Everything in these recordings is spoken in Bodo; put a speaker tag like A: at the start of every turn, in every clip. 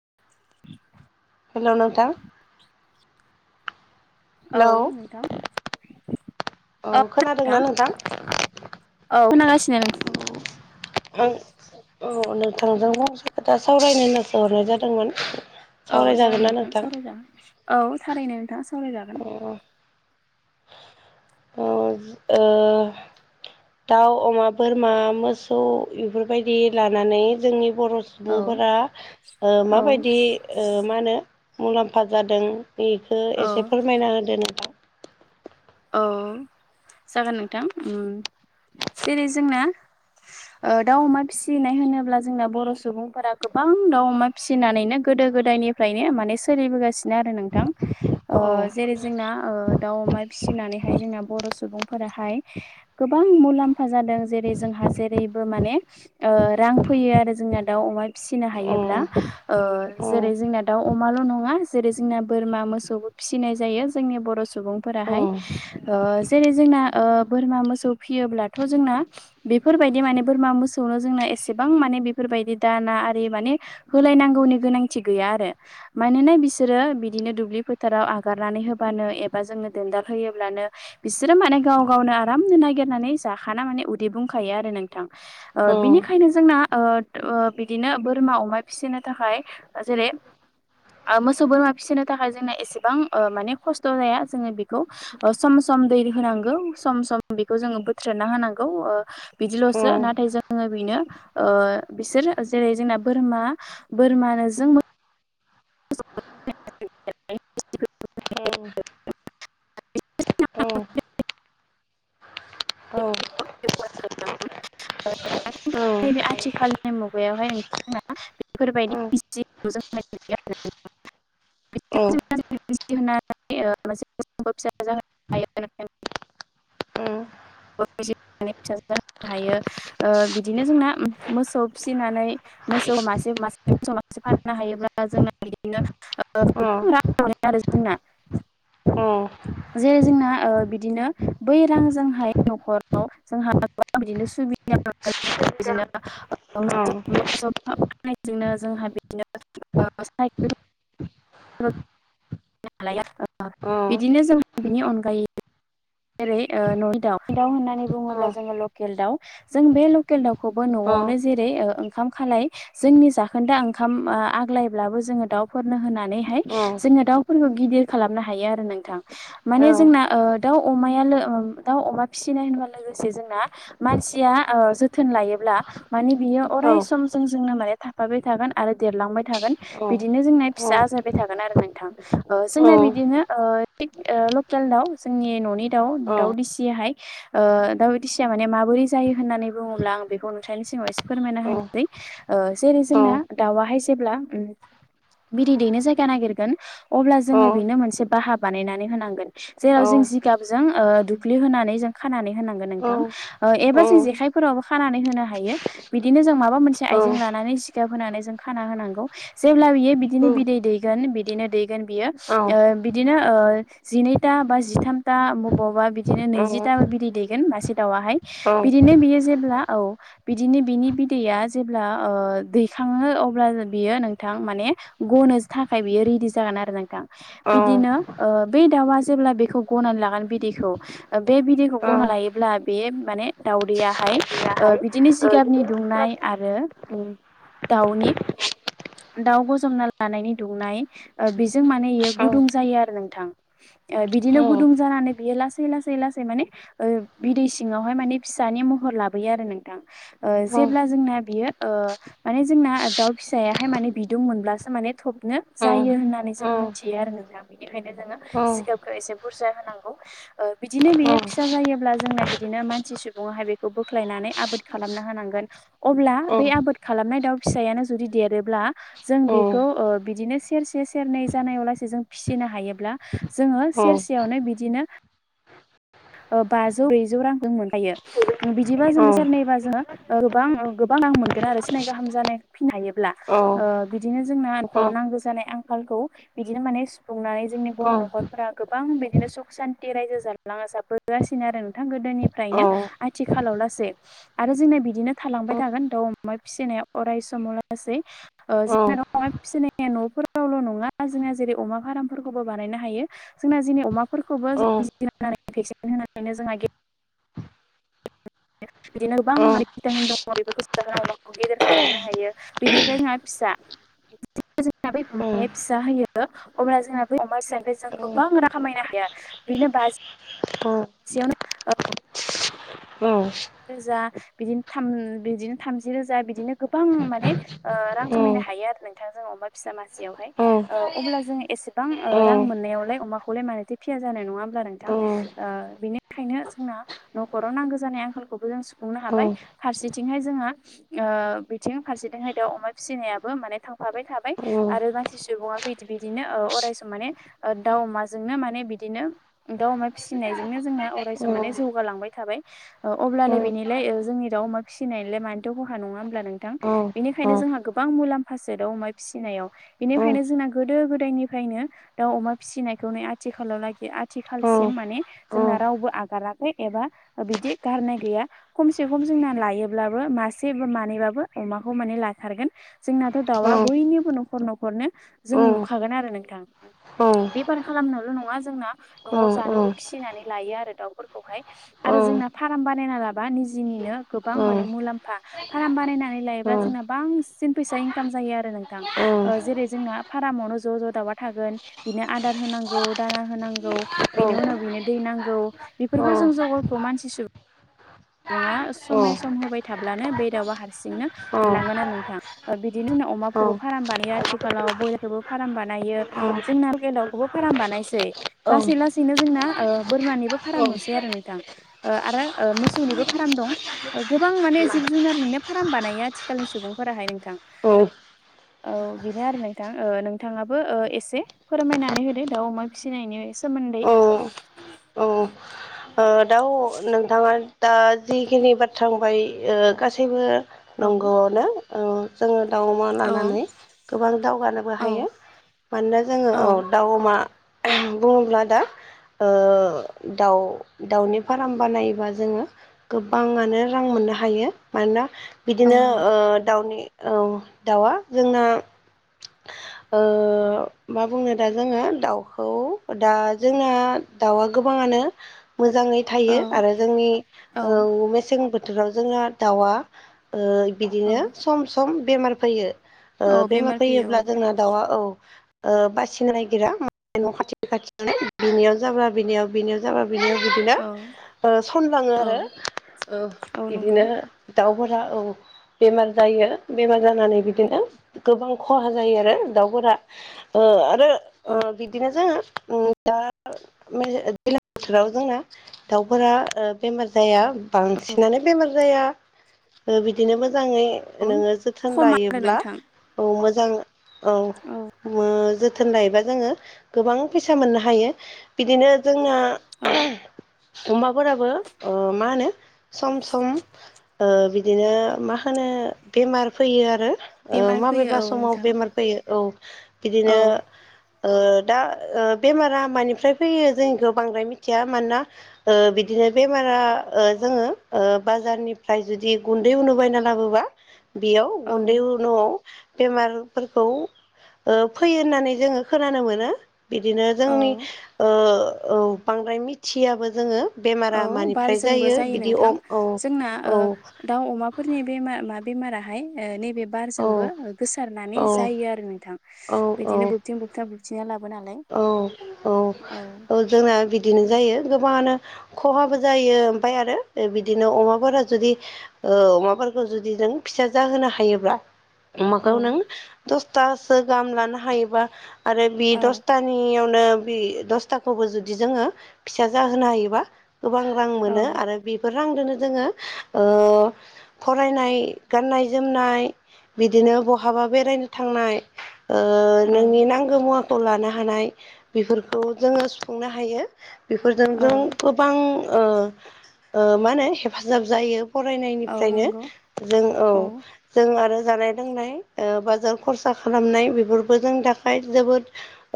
A: [inaudible]
B: हेलौ नोंथां
A: [inaudible]
B: हेलौ
A: औ नोंथां औ
B: खोनादोंना नोंथां
A: खोनादोंथां। औ खोनागासिनो नोंथां
B: आं औ नोंथांजों गंसे खोथा सावरायनो गोसो हरनाय जादोंमोन
A: औ
B: सावरायजागोन
A: जागोन
B: ना
A: नोंथाङ
B: नोंथां
A: सावरायजागोन औ थारैनो नोंथाङा
B: अ
A: सावरायजागोन
B: औ ओ दाउ अमा बोरमा मोसौ बेफोरबायदि लानानै जोंनि बर'
A: औ
B: सुबुंफोरा ओ
A: औ
B: माबायदि मा होनो मुलाम्फा जादों बेखौ एसे फोरमायना होदो नोंथां
A: औ जागोन नोंथां जेरै जोंना दाउ अमा फिसिनाय होनोब्ला जोंना बर' सुबुंफोरा गोबां दाउ अमा फिसिनानैनो गोदो गोदायनिफ्रायनो माने सोलिबोगासिनो आरो नोंथां ओ
B: औ
A: जेरै जोंना ओ दाउ अमा फिसिनानैहाय जोंना बर' सुबुंफोराहाय गोबां मुलाम्फा जादों जेरै जोंहा जेरै माने रां फैयो आरो जोंना दाउ अमा फिसिनो
B: औ
A: हायोब्ला ओ
B: औ
A: जेरै जोंना दाउ अमाल' नङा जेरै जोंना बोरमा मोसौबो फिसिनाय जायो जोंनि बर'
B: औ
A: सुबुंफोराहाय ओ जेरै जोंना ओ बोरमा मोसौ फियोब्लाथ' जोंना बेफोरबायदि माने बोरमा मोसौनो जोंना एसेबां माने बेफोरबायदि दाना आरि माने होलायनांगौनि गोनांथि गैया। आरो मानोना बिसोरो बिदिनो दुब्लि फोथाराव आगारनानै होबानो एबा जोंनो होयोब्लानो बिसोरो माने गाव गावनो आरामनो नागिरनानै जाखाना माने उदै बुंखायो आरो नोंथां ओ बिनिखायनो जोंना ओ औ बिदिनो बोरमा अमा फिसिनो थाखाय जेरै ओ मोसौ बोरमा फिसिनो थाखाय जोंना एसेबां ओ माने खस्थ' जाया जोङो नोंगौ सम सम दै होनागौ सम सम बिखौ जों बोर्थोना होनागौ ओ बिदिल
B: औ
A: सो नाथाय जोङो बिनो ओ बिसोरो जेरै जोंना बोरमा बोरमाजों मो [inaudible]
B: [unintelligible] औ औ [inaudible]
A: नैबे आथिखालनि मुगायावहाय नोंथांमोना
B: औ
A: बेफोरबायदि [unintelligible]
B: [inaudible]
A: [unintelligible] [unintelligible] फिसा जाहोनो हायो
B: ओ
A: [unintelligible] हायो ओ बिदिनो जोंना मोसौ फिसिनानै मोसौ मासे मासे मोसौ मासे फाननो हायोब्ला जोंना बिदिनो [inaudible] जोंना
B: ओ
A: जेरै जोंना ओ बिदिनो बै रांजोंहाय न'खराव जोंहा बिदिनो सुबिदा [inaudible] बिदिनो मोसौ मोसौ फाननायजोंनो जोंहा बिदिनो साइखेल
B: [inaudible]
A: [inaudible] बिदिनो जों बिनि अनगायै जेरै ओ न'नि दाउ। दाउ होननानै बुङोब्ला जोङो लकेल दाउ जों बे लकेल दाउ खौबो न'आवनो जेरै ओ उम ओखाम खालाय जोंनि जाखोन्दा ओंखाम ओ आग्लायब्लाबो जोङो दाउफोरनो होनानै नैहाय जोंङो दाउफोरखौ गिदिर खालामनो हायो आरो नोंथां माने जोंना ओ दाउ अमाया लो ओ दाउ अमा फिसिनाय होनबा लोगोसे जोंना मानसिया ओ जोथोन लायोब्ला मानो बियो अराय सम जोंजोंनो माने थाफाबाय थागोन आरो देरलांबाय थागोन बिदिनो जोंना फिसा आजायबाय थागोन आरो नोंथां। ओ जोंना बिदिनो ओ थिग ओ लकेल दाउ जोंनि न'नि दाउ दाउ दिसियाहाय ओ दाउ दिसिया माने माबोरै जायो होननानै बुङोब्ला आं बेखौ नोंथांनि सिगाङाव एसे फोरमायना होनोसै। ओ जेरै जोंना दाउवाहाय जेब्ला उम बिदै दैनो जायगा नागिरगोन अब्ला जोङो बेनो मोनसे बाहा बानायनानै होनांगोन जेराव जों जिब जिगाबजों ओ दुख्लि होनानै जों खानानै होनांगोन नोंथां ओ एबा जों जेखाय फोरावबो खानानै होनो हायो बिदिनो जों माबा मोनसे आइजें लानानै जिगाब होनानै जों खाना होनांगौ जेब्ला बियो बिदि नि बिदै दैगोन बिदिनो दैगोन बियो ओ बिदिनो ओ जिनैथा बा जिथाम था बबावबा बिदिनो नैजिथा बिदै दैगोन मासे दाउआहाय बिदिनो बियो जेब्ला औ बिदिनो बिनि बिदैया जेब्ला ओ दैखाङो अब्ला बियो नोंथां माने माने गनो थाखाय बियो रेडि जागोन आरो नोंथां बिदिनो ओ बे दाउआ जेब्ला बेखौ गनानै लागोन बिदैखौ ओ बे बिदैखौ गना लायोब्ला बे माने दावदैयाहाय ओ ओ बिदिनो जिगाबनि दुंनाय आरो उम दाउनि दाउ गजबना लानायनि दुंनाय ओ बेजों माने इयो गुदुं जायो आरो नोंथां। ओ बिद बिदिनो गुदुं जानानै बियो लासै लासै लासै माने ओ बिदै सिङावहाय माने फिसानि महर लाबो यो आरो नोंथां ओ जेब्ला जोंना बियो ओ माने जोंना दाउ फिसाया हाय माने बिदुं मोनब्लासो माने थबनो जायो होननानै जों मोनथियो आरो नोंथां बेनिखायनो जोङो सिगाबखौ एसे बुरजा होनांगौ ओ बिदिनो बेयो फिसा जायोब्ला जोंना बिदिनो मानसि सुबुंआहाय बेखौ बोख्लायनानै नै आबोद खालामना होनांगोन अब्ला बे आबोद खालामनाय दाउ फिसायानो जुदि देरोब्ला जों बेखौ ओ बिदिनो सेरसे सेरनै जानायाव लासे जों फिसिनो हायोब्ला जोंङो सेरसे बिदिनो ओ बाजौ ब्रैजौ रां जों मोनखायो बिदिबा जोङो सेरनैबा जोङो ओ गोबां गोबां रां मोनगोन आरो सिनै गाहाम जानाय फिनो हायोब्ला ओ बिद बिदिनो जोंना नखराव नांगौ जानाय आंखालखौ बिदिनो माने सुफुंनानै जोंनि बर' न'खरफोरा गोबां बिदिनो सुख सान्थि रायजो जालांं [unintelligible] आरो नोंथां गोदोनिफ्रायनो आथिखालाव लासै आरो जोंना बिदिनो थालां थांबाय थागोन दाउ अमा फिसिनाया अराय समाव लासै ओ जों दा अमा फिसिनाया न'फोराव न फोरावल' नंङा जोंना जेरै अमा फारामफोरखौबो बानायनो हायो जोंना जेनि अमाफोरखौबो [inaudible] बिदिनो गोबां
B: फिसौ
A: आरो भिटामिन दं। बेफोरखौ जाहोना अमाखौ गेदेर खालामनो हायो। बिनिफ्राय जोंहा फिसा जोंना बै
B: औ
A: अमाया फिसा होयो अब्ला जोंना बै अमा फिसानिफ्राय जों गोबां रा खामायनो हायो। बिनो बाज सेयावनो बा रोजा बिदिनो थाम बिदिनो थामजि रोजा बिदिनो गोबां माने ओ रां
B: औ
A: खामायनो नो हायो आरो नोंथां जों अमा फिसा मासेयाव हाय ओ अब्ला जों एसेबां रां ओ मोननायावलाय अमाखौलाय मानोथो फिया जानाय नङा हब्ला नोंथां? ओ बिनिखायनो जोंना न'खराव नांगौ जानाय आंखालखौबो जों सुफुंनो हाबाय फारसे थिंहाय जोंहा ओ बिथिं फारसेथिंहाय दाउ अमा फिसिनायाबो माने थांफाबाय थाबाय आरो मानसि सुबुङा बिदि बिदिनो ओ माने बिनो अरायस माने ओ दाउ अमाजोंनो माने बिदिनो दाउ अमा फिसिनायजोंनो जोंना अरायसम माने जौगालांबाय थाबाय औ अब्लालाय बेनिलाय ओ जोंनि दाउ अमा फिसिनायलाय मानोथ' खहा नङा होमब्ला नोंथां‌बिनिखायनो जोंहा गोबां मुलाम फारसे दाउ अमा फिसिनायाव बेनिखायनो जोंना गोदो गोदायनिफ्रायनो दाउ अमा फिसिनायखौनो आथि खालाव लागि आथिखालसिम माने जोंना रावबो आगाराखै एबा बिदि गारनाय गैया खमसे खम जोंना लायोब्लाबो मासे मानैबाबो अमाखौ माने लाथारगोन। जोंनाथ' दाउआ बयनिबो न'खर न'खरनो जोङो नुखागोन आरो नोंथां। बेफार खालामनायल' नङा जोंना न'आव जानोबो फिसिनानै लायो आरो दाउ आरो जोंना फार्म बानायना लाबा निजिनिनो गोबां माने मुलाम्फा। फार्म बानायना नै लायोबा जों बांसिन फैसा इनखाम जायो आरो नोंथां। ओ जेरै जोंना भाराम ज, ज दाउआ थागोन बिनो आदार हो नांगौ दाना होनांगौ बिनि उनाव दै नांगौ बिफोरखौ जों जगार खौ मानसिसो नङा समे सम होबाय थाब्लानो बे दाउआ हारसिंनो देरलांगोन आरो नोंथां। बिदिनि उनाव अमाखौबो फाराम बानाय आथिखालाव बयलारखौबो भाराम बानायो जोंना लकेल दाउखौबो भाराम बानासै लासै लासैनो जोंना ओ बोरमारनिबो फाराम नुसै आरो नोंथां ओ आरो ओ मोस सौनिबो भाराम दं। ओ गोबां माने जिब जुनारनिनो फार्म बानायो आथिखालनि सुबुंफोरा हाय नोंथां। औ बेनो आरो नोंथां ओ नोंथाङाबो ओ एसे फोरमायनानै होदो दाउ अमा फिसिनायनि सोमोन्दै?
B: औ ओ दाउ नोंथाङा दा जिखिनि बाथ्रा बुंबाय ओ गासैबो
A: औ
B: नंगौआवनो। ओ जोङो दाउ, अमा
A: औ
B: लानानै गोबां दावगानोबो
A: औ
B: हायो। मानोना जोङो औ दाउ अमा बुङोब्ला दा ओ दाउ दाउनि फार्म बानायोबा जोङो गोबाङानो रां मोननो हायो। मानोना
A: औ
B: बिदिनो
A: नंगौ
B: ओ दाउनि ओ दाउआ जोंना ओ मा बुंनो दा जोङो दाउखौ दा जोंना दाउआ गोबाङानो मोजाङै
A: औ
B: थायो आरो जोंनि
A: औ
B: ओ मेसें बो थोराव जोंहा दाउआ ओ
A: औ
B: बिदिनो ओ सम सम बेमार फैयो। ओ
A: औ
B: बेमार
A: फैयो
B: फैयोब्ला जोंना दाउआ औ ओ बासिनो नागिरा मा न' खाथि खाथि बिनियाव जाब्ला बिनियाव बिनियाव जाबा बिनो बिदिनो
A: औ
B: ओ सनलाङो आरो
A: औ
B: ओ
A: औ नंगौ
B: बिदिनो दाउफोरा औ बेमार जायो बेमार जानानै बिदिनो गोबां खहा जायो आरो दावफोरा ओ आरो
A: औ
B: ओ बिदिनो जोङो ओ दा मे दैलां बोथोराव जोंना दाउ फोरा ओ बेमार जाया बांसिनानो बेमार जाया बिदिनो मो जाङै
A: औ
B: नोङो जोथोन
A: खम आरो
B: लायोब्ला
A: नोंथां
B: औ मोजां औ
A: औ
B: मा जो थोन लायोबा जोङो गोबां फैसा मोननो हायो बिदिनो जोंना
A: औ
B: अमाफोराबो ओ मा होनो सम सम ओ बिदिनो मा होनो बेमार फैयो आरो। ओ
A: बेमार फैयो
B: माबेबा
A: औ
B: समाव
A: नोंथां
B: बेमार फैयो औ
A: औ
B: बिदिनो ओ दा ओ बेमारा मानिफ्राय फैयो जोंखौ बांद्राय मिथिया मानोना बिदिनो बेमारा जोङो बाजारनिफ्राय जुदि गुन्दै उनो बायना लाबोबा बेयाव
A: औ
B: गुन्दै न'आव बेमारफोरखौ ओ फैयो होननानै जोङो खोनानो मोनो। बिदिनो
A: औ
B: जोंनि बांद्राय मिथियाबो जोङो
A: औ
B: बेमारा मानिफ्राय
A: बारजोंबो जायो
B: बिदि
A: नोंथां
B: अ औ
A: जोंना
B: औ
A: ओ दाउ, अमाफोरनि बेमार मा बेमाराय नैबे
B: औ
A: बारजोंबो गोसारनानै
B: औ
A: जायो आरो नोंथां बिदिनो बुबथिं बुबथानानै लाबो नालाय
B: औ औ औ जोंना बिदिनो जायो। गोबाङानो खहाबो जायो ओमफ्राय आरो बिदिनो अमाफोरा जुदि ओ अमा फोर जुदि जों फिसा जाहोनो हायोब्ला
A: औ ओ
B: अमाखौ नों दसथासो गाहाम लानो हायोबा आरो बे
A: औ
B: दस नो दाखौबो जुदि जोङो फिसा जाहोनो हायोबा गोबां रां मोनो
A: औ
B: आरो बेफोर रां दोनो जोङो ओ फरायनाय गाननाय-जोमनाय बिदिनो बहाबा बेरायनो थांनाय ओ नोंनि नांगौ मुवाखौ लानो हानाय बेफोरखौ जोङो सुफुंनो हायो बेफोरजों
A: औ
B: जों गोबां ओ ओ मा होनो हेफाजाब जायो।
A: औ
B: फरायनायनिफ्रायनो
A: नंगौ
B: जों औ जों आरो जानाय लोंनाय ओ बाजार खरसा खालामनाय बेफोरबो जों थाखाय जोबोद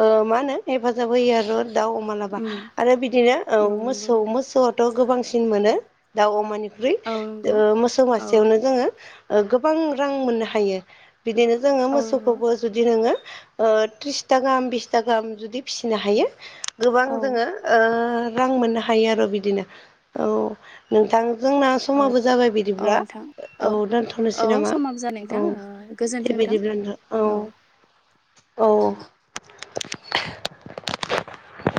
B: ओ मा होनो हेफाजाब होयो आरो दाउ, अमालाबा
A: उम
B: आरो बिदिनो
A: औ नंगौ
B: मोसौ
A: नोंथां
B: मोसौआथ' गोबांसिन मोनो दाउ, अमानि
A: औ
B: ओ
A: नंगौ
B: मोसौ
A: औ
B: मासेयावनो जोङो ओ गोबां रां मोननो हायो। बिदिनो जोङो
A: औ नंगौ
B: मोसौखौबो जुदि नोङो ओ त्रिस थाखा गाम बिस था गाहाम जुदि फिसिनो हायो गोबां
A: औ
B: जोङो ओ रां मोननो हायो आरो बिदिनो औ नोंथां जोंना
A: औ
B: समाबो जाबाय
A: औ
B: बिदिब्ला
A: नोंथां
B: औ दोनथ'नोसै
A: औ
B: नामा
A: समाबो जाबाय
B: औ
A: नोंथां ओ
B: दे
A: गोजोन्थों नोंथां
B: बिदिब्ला नोंथां औ औ